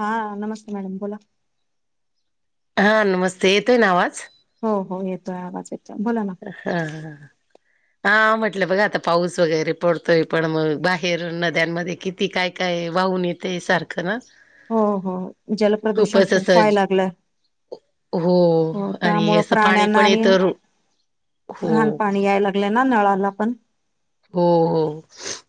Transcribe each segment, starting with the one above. हा, नमस्ते मॅडम बोला. हा. नमस्ते येतोय ना आवाज. हो हो. येतोय आवाज येतोय बोला ना. हां. हा म्हटलं बघा आता पाऊस वगैरे पडतोय, पण मग बाहेर नद्यांमध्ये किती काय काय वाहून येते. ते सारखं ना, हो.. हो.. जलप्रदूषण खूपच खूप असं व्हायला लागलंय. हो, आणि त्यामुळं असं पाणी प्राण्यांना पण आणि येतं. हो घाण पाणी यायला लागलंय ना, नळाला पण. हो. हो.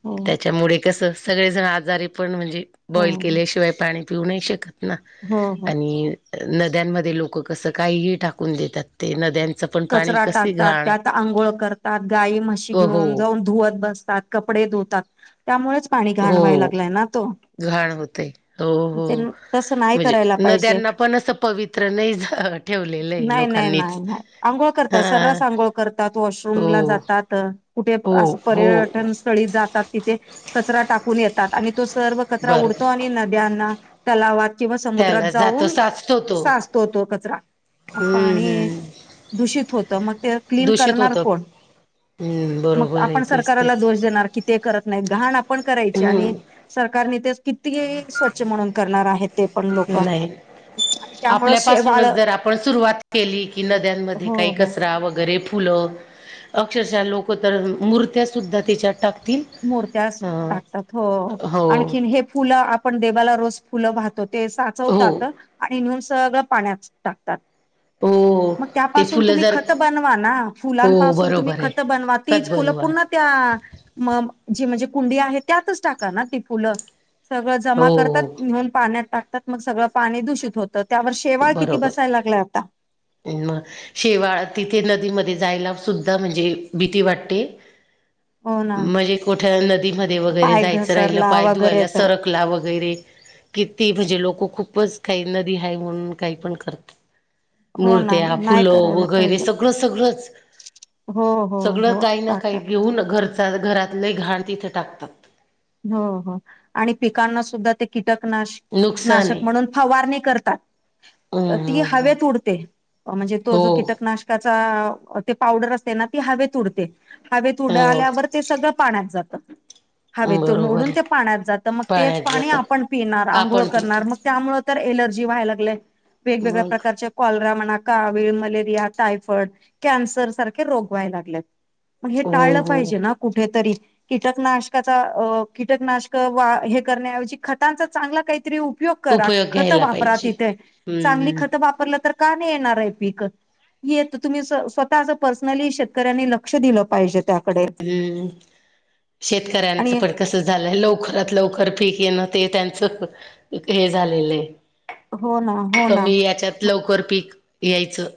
हो त्यांच्यामुळे कस सगळेजण आजारी पण म्हणजे, हो बॉईल केल्याशिवाय पाणी पिऊ नाही शकतना. हो हो आणि, नद्यांमध्ये लोक कसं, काहीही टाकून देतात. ते नद्यांच पण, पाणी कचरा कशी टाकतात, घाण त्यात आंघोळ करतात, गाई म्हशी घेऊन हो जाऊन धुवत बसतात. कपडे धुतात. त्यामुळेच पाणी घाण व्हायला हो लागलाय ना तो. घाण होते. हो.. हो.. ते तसं नाही म्हणजे करायला पाहिजे नद्यांना पण असं पवित्र नाही झ ठेवलेलं आहे नाही नाही लोकांनीच. नाही नाही आंघोळ करतात. हा सर्रास आंघोळ करतात वॉशरूम ला हो जातात. कुठे अस हो हो पर्यटन स्थळी जातात. तिथे कचरा टाकून येतात आणि तो सर्व, कचरा बर उडतो आणि नद्यांना. तलावात किंवा समुद्रात त्याला जातो जाऊन, साचतो तो साचतो तो कचरा. मग हम्म पाणी हम्म दूषित होत, मग ते क्लीन करणार कोण? हम. मग आपण सरकारला दोष देणार की, ते करत नाही. घाण आपण करायची आणि, हम्म सरकारने ते किती स्वच्छ म्हणून करणार आहेत ते, पण लोक नाही त्यामुळ शेवाळ. पण सुरुवात केली. की नद्यांमध्ये हो काही हो कचरा वगैरे फुलं, अक्षशः लोक [unintelligible] मूर्त्यासुद्धा त्यांच्यात टाकतील. मुर्त्या अ टाकतात हो, हो आणखी हे फुलं आप आपण देवाला रोज फुलं वाहतो ते हो साचवतात, आणि नेहून सगळं पाण्यात टाकतात. हो. मग ते त्यांपासून फुलं तुम्ही जर खत बनवा ना, हो फुलांपासून तुम्ही बरोबर आहे खत बनवा खत तीच फुलं बनवा पून्हा. त्या म- जी म्हणजे कुंडी आहे, त्यातच टाकाना ती फुलं. सगळं जमा करतात, हो न्हेऊन पाण्यात टाकतात, मग सगळं पाणी दूषित होतात. त्यांवर शेवाळ किती बसायला लागलय आता. इं मग, शेवाळ तिथे नदीमध्ये जायला सुद्धा म्हणजे भीती वाटते. हो ना म्हणजे कुठ्या नदीमध्ये वगैरे पाय जायचं राहिलं घसरला पाय वगैरे धुवायला तर सरक कला वगैरे किती म्हणजे लोकं खूपच काही नदी हा म्हणून काही पण करत हो ना मूर्त्या नाही फुलं करायला वगैरे पाहिजे सगळं सगळंच हो हो सगळं हो काही ना काही टाकतात घेऊन घर घरातलं घाण तिथे टाकतात हो हो आणि पिकांना सुद्धा ते कीटकनाश नुकसान नाशक आहे म्हणून फवारणी करतात हम्म ती हम्म हम्म. हवेत उडते म्हणजे तो जो हो कीटकनाश त्याचा ते पावडर असते ना ती हवेत उडते हवेत उड हो आल्यावर ते सगळं पाण्यात जातं हवेतून बरोबर उडून आहे ते पाण्यात जातं मग तेच पाण्यात पाणी जातात. आपण पिणार आंघोळ आपण पितो करणार मग त्यामु! तर एलर्जी व्हाय लागय वेगवेगळ्या मग प्रकारच्या कॉलरा म्हणा का वळ मलेरिया टायफॉइड कॅन्सर सारखे रोग व्हाय लागलेत. मग हे हो टाळलं हो पाहिजे ना कुठेतरी कीटकनाश कीटकनाशक वा हे करण्याऐवजी खतांचा चांगला काही. करा उपयोग ख ख घ्यायला पाहिजे. हम्म का नाही येणार आहे पीक. येत तुम्ही स्वतः असं पर्सनली शेतकऱ्यांनी लक्ष दिलं पाहिजे त्याकडे! ह् शेतकऱ्यांच आणि पड कस झालंय लवकरात लवकर पीक येणं ते त्यांचं हे झालेलं आहे हो ना हो ना कमी याच्यात लवकर पीक यायचं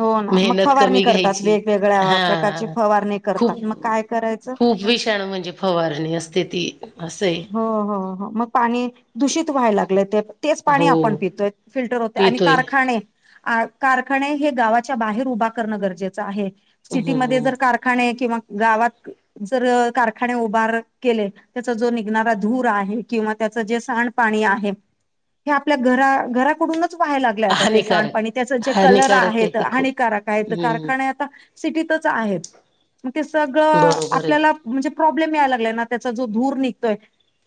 हो ना मग मेहनत फवारणी कमी करतात घ्यायची वेगवेगळ्या हा प्रकारची फवारणी खूप करतात मग काय करायचं खूप! विषाणू म्हणजे फवारणी असते ती असे. हो हो हो मग पाणी दूषित व्हायला लागलं ते. तेच पाणी आपण हो पितोय फिल्टर होते आणि पितोय कारखाने. कारखाने हे गावाच्या बाहेर उभा करणं गरजेचं आहे सिटीमध्ये हम्म जर कार! ा किंवा गावात जर कारखाने उभार केले त्याचा जो धू आहे किंवा त्याच जे सांड पाणी आहे आपल्या घ घराकडून व्हायला लागल्या ते हानिकारक सांडपाणी त्याचे जे कलर हानिकारक आहे आहेत. ते खूप हानिकारक आहेत हम्म कारखान्यात! आ सिटीतच आहेतग ते सगळं बरोबर आपल्याला! आहे म्हणजे प्रॉब्लेम यायला लागलाय ना त्याचा जो धूर निघतोय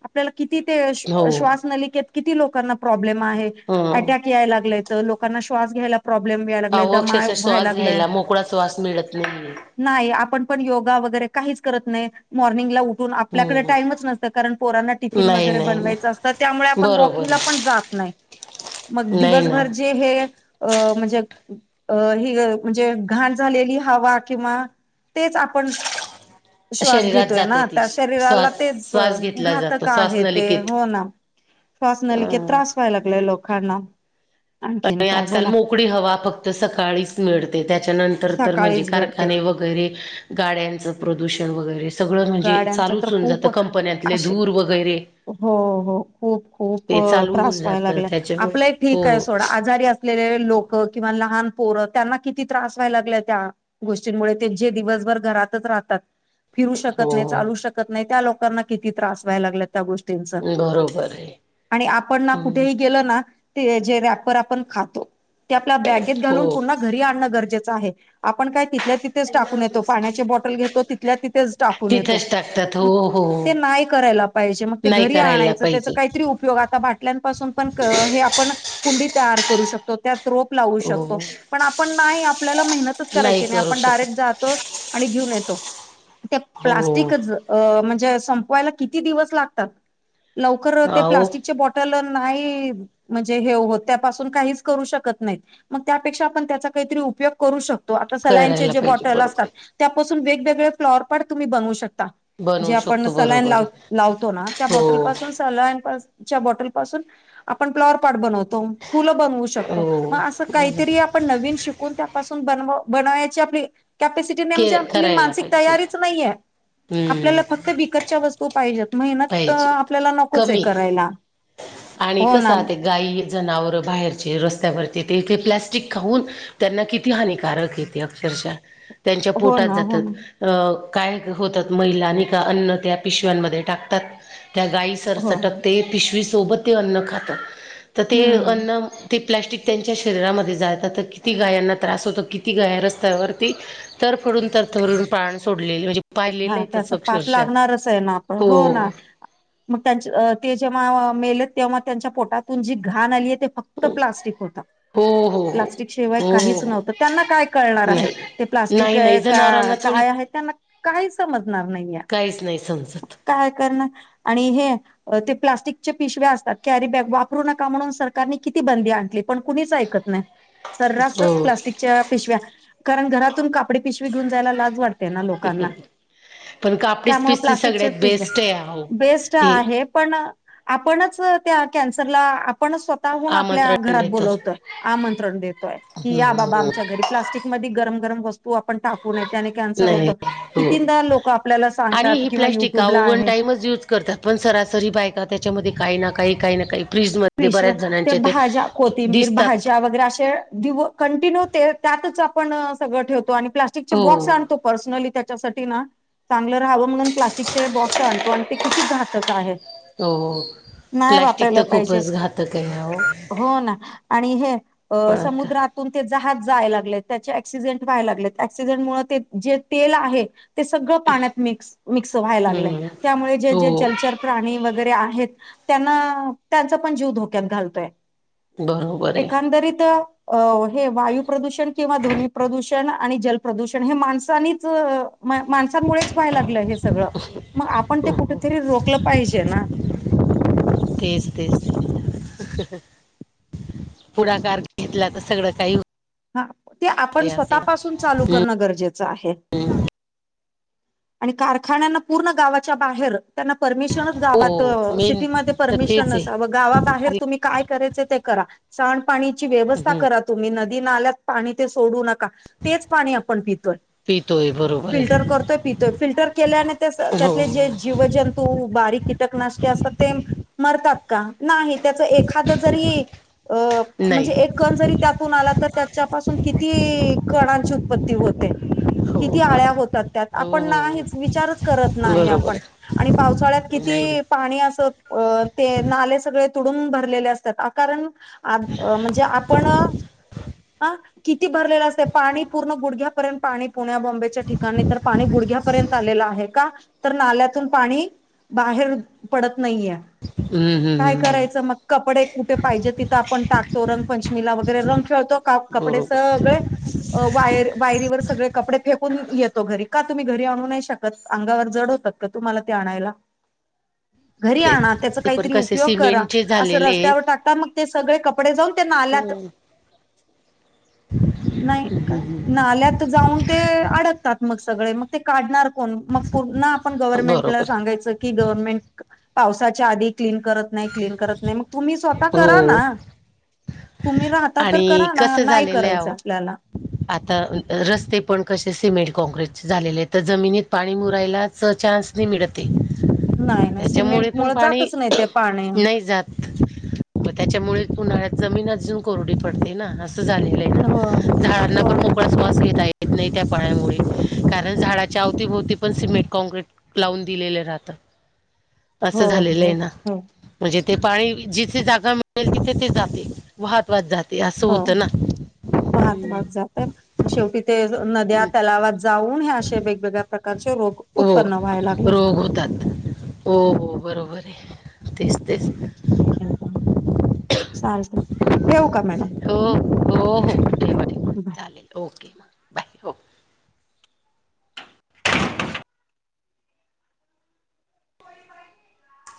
आपल्याला किती ते हो श्वास नलिकेत! किती लोकांना प्रॉब्लेम आहे हं अटॅक याला लाग लोकांना श्वास घ्यायला. प्रॉब्लेम याय लागले अहो दमा अक्षरशः व्हाय श्वास लागलाय. घ्यायला मोकळा श्वास मिळत नाहीये नाही आपण पण योगा वगैरे काहीच करत नाही मॉर्निंगला उठून आपल्याकडे हम्म टाईमच नस. कारण पोरांना टिफिन नाही वगैरे नाही बनवायचं नाही असतं त्यामुळे आपण बरोबर वॉकिंगला पण जात नाही. मग आहे नाही ना दिवसभर जे? हे अ म्हणजे अ ह म्हणजे घाण झालेली हवा किंवा. तेच आपण श्वास शरीरात घेतोय जाते ना ती त्या शरीराला श्वास तेच? श्वास घेतला जातो घातक श्वासनलिकेत श्वासना लिक अं त्रास व्हाय लागलाय लोकांना. आणखीन पण काय आजकाल बोला मोकळी हवा फक्त सकाळीच मिळते त्याच्यानंतर तर म्हणजे सकाळीच घडते कारखाने वगैरे! वगैरे गाड्यांचं प्रदूषण वगैरे! सगळं म्हणजे गाड्यांचा तर चालूच होऊन जातं खूप कंपन्यातले असे धूर वगैरे. हो हो खूप खूप ते चालू होऊन त्रास व्हायला जातं लागलाय त्याच्यामुळे आपलं हो ठीक आहे सोड. आजारी असलेले लोक किंवा लहान पोर त्यांना किती त्रास व्हायला लागल्या त्या! गोष्टींमुळे ते जे दिवसभर घरातच राहतात फिरू हो शकत! नाही हो चालू शकत नाही त्या लोकांना किती त्रास व्हाय लागत! त्या गोष्टींच बरोबर आहे. आणि आपण ना हम्म. कुठेही गेल ना? ते जे रॅपर आपण खातो ते आपल्या बॅगेत घालून हो पुन्हा? घरी आण गजे आपण का. तिल्या तिथेच टाकून येतो पाण्याची बॉटल घेतो तिथल्या तिेच टाको क तिथंच टाकतात हो हो नाही करायला घ पाहिजे. का पयो आता बाटल्यापासून पण आपण कुंडी तयार करू शकतो त्या ोप लावू हो शकतो पण आपण नाही आपल्याला मेहनतच करायची नाही करू आपण डायरेक्ट शकत जातो आणि घेऊन येतो त्या हो प्लास्टिकच म्हणजे संय किती दिवतात लव प् अहो आपल्याला नाही म्हणजे हे हो त्यापासून काहीच करू शकत नाहीत मग त्यापेक्षा आपण त्याचा काहीतरी उपयोग करू शकतो आता सलाईनचे करायला जे पाहिजे बॉटल बरोबर असतात आहे. त्यापासून वेगवेगळे फ्लॉर प तुम्ही बनवू शकता जे बनवू आपण शकतो सला बरोबर आहे. लावतो ना त्या बट हो. पाून ब पाून आपण्लॉवर प्ट बनतो फुलं बनवू शकतो हो मग असं बला काहीतरी आपण नवीन शिक बची आप कस आप के मान करायला पाहिजे. तयारी नाही हम्म आपल्याला फक्त विकतच्या वस्तू पाहिजेत मेहनत तर पाहिजे. आपल्याला नकोच आहे कमी करायला हो ना गायी जनावरं बाहेरचे रस्त्यावरचे ते इथे प्लॅस्टिक खाऊन त्यांना किती हानिकारक येते अक्षरशः त्यांच्या हो पोटात ना हो ना जातात अ काय होतात महिला आणि का अन्न त्या पिशव्यांमध्ये टाकत ात त्या गायीसर हो सटक ते पिशवी सोबत ते अन्न खात तर ते हम्म अन्न ते प्लॅस्टिक त्यांच्या शरीरामध्ये जात तर किती गायांना त्रास होतो किती गाय रस्त्यावरती? तर पडून तर थरून पाण सोडले म्हणजे? पाहिलेलं हा आहे तसं त्याचा पाप अक्षरशः लागणारच आहे ना आपण हो ना! मग त्यां ते जेव्हा मेल तेव्हा त्यांच्या पोटातून जी घाण आली आहे ते फक्त. फक्त प्लास्टिक होता हो हो हो प्लास्टिक शिवाय हो काहीच हो नव्हतं त्यांना काय कळणार आहे. ते नाही प्लास्टिक नाही नाही आहे का जनावरांना थोडी काय आहे त्यांना. काही समजणार नाही या काहीच नाही समजत. काय करणार आणि हे ते प्लास्टिकचे पिशव्या असतात कॅरी बॅग वापरू नका म्हणून सरकारनी किती बंदी आणली पण कुणीच ऐकत नाही सर्रास हो प्लास्टिकच्या पिशव्या कारण घरातून कापडे पिशवी घेऊन जायला लाज वाटते लोकांना पण कापडीच त्यामुळे पिसची प्लास्ट सगळ्यात बेस्ट आहे अहो. बेस् हे आहे पण आपणच त्या कन्सरला ण स्वतःहून आपल्या आमंत्रण घरात देतात बलावतोय आमंत्रण देतोय की या बाबा आमच्या घरी प्लास्टिक मध्ये गरम गरम वस्तू आपण टाकू नये त्याने कॅन्सर होत नाही हो. कितीनदाार लोक आपल्याला आणि सांगतात ही किंवा प्लॅस्टिक युट्यूबला अहो वन आहेत टाइमच यूज करतात पण सरासरी बायका त्याच्यामध्ये काही ना काही काही ना काही फ्रीजमध्ये विश बऱ्याच ते जणांचे भाज्या कोथिंबीर दिसतात भाज्या वगैरे असे दिव कंटिन्यू त्यातच आपण सगळं ठेवतो आणि प्लास्टिकचे हो बॉक्स आणतो पर्सनली त्या ना चांगलं राहावं म्हणून प्लास्टिक चे बॉक्स आणतो आणि ते किती घातक आहे हो नाही प्लाॅस्टिक वापरायला तर पाहिजे खूपच घातक आहे हो ना आणि हे पण आता समुद्रात ते जज जाय लागले त्याचे क्सिडेंट व्हायला लागले क्सिडेंट मु जे तेल आहे ते सगळं पाण्यात मिक्स मिक्स व्हायला लागलंय हम्म. त्यामुळे जे जे हो जलचर प्राणी वगैरे आहेत त्यांना त्यांचा पण जीव धोक्यात घालतोय बरोबर आहे एकंदरीत अ हे वायू प्रदूषण किंवा ध्वनी प्रदूषण आणि जल प्र्रदूषण हे माणसानीच मा मुळेच व्हाय लागलं हे सगळ मग आपण ते कुठेतरी रोखलं पाहिजे ना तेज तेज पुढाकार घेतला तर सगळं काही हा ते आपण होते असे स्वतःपासून चालू हम्म. करणं गरजेचं आहे आणि कारखान्यांना पूर्ण गावाच्या बाहेर त्यांना परमेश ् हो गात मेन सिटीमध्ये तर परमिशन तेच आहे गावाहेर तुम्ही काय कराय ते करा स पाची व्यवस्था हम्म. करा तुम्ही ल्यात पाणी ते सोडू नका तेच पाणी आपण पितोय पितोय बरोबर फिल्टर आहे करतोय पितोय फिल्टर केल्याने त्या हो त्यातले जे जीवजंतू बारीक कीटकनाशके असत ते मरतात का नाही त्याच एखाद जरी अ नाही म्हणजे एक कण जरी त्यातून आला तर त्याच्या पाासून किती कणांची उत्पत्ती होते हो किती आळ्या हो हो आपण नाही हो विचारच करत नाही बरोबर आपण आहे. आणि पावसाळ्यात नाही ना किती पाणी अस ते नाले सगळे तुडून भरलेले असतात कारण म्हणजे आपण ह किती भरलेलं असत पाणी पूर्ण गुडघ्यापर्यंत पाणी पुण्या बॉम्बेच्या ठिकाणी तर पाणी गुडघ्यापर्यंत आलेलं आहे का तर नाल्यातून पाणी बाहेर पडत नाहीये हम्म हम्म, काय हम्म. करायचं मग कपडे कुठे पाहिजे तिथं आपण टाकतो रंगपंचमीला वगैरे रंग खेळतो का कपडे बरोबर सगळे वायर वायरीवर सगळे कपडे फेकून येतो घरी का तुम्ही घरी आणू नाही शकत अंगावर जड होतात का तुम्हाला ते आणायला ह घरी आणा त्याचा काहीतरी उपयोग करा सिमेंटचे असं झालेले आहेत रस्त्यावर टाक आता मग ते सगळे कपडे जाऊन त्यांना आल्यात हम्म. नाही का नाल्यात जाऊन ते अडकतात मग सगळे मग ते काढणार कोण मग पर्ण आपण गव्हर्नमेंटला बरोबर सांगायचं गनमें पावसाच्या आध क्न करत कत तु् स्व हो करा त् आणि करा ना कसं नाही झालेलं आहे करायचं अहो आपल्याला आता रस्ते पण कसे सिमेंट कॉँक्रीट झालेले तर जमिनीत पाणी मुरायलाच चान्स मिळते नाही ना सिमेंट त्याच्यामुळे पण मुळ पाणी जातच नाही ते पाणी नाही जात त्याच्यामुळे उन्हाळ्यात जमीन अजून कोरडी पडते ना असं झालेलं हो झाडांना पण हो ना मोकळा श्वास घेताय येत नाही त्या पाळमुळे कारण झाडाच्या अवतीभोवती पण सिमेंट कॉँक्रीट लावून दिलेलं राहत असं हो झालेलं आहे हो ना हो म्हणजे ते पाणी जिथे जागा मिळेल तिथे ते जाते वाहत वात जाते असं हो होतं ना. महातमाग जात शेवटी ते नद्या तलावात जाऊन हे असे वेगवेगळ्या प्रकारचे रोग उत्पन्न व्हायला लागलेत भगवतात हो हो बरोबर आहे तेच तेच अखे सार स ठेऊ का मॅडम हो हो हो ठेवा ठेवा ठ बाय चालेल ओके बाय हो. [inaudible] [unintelligible]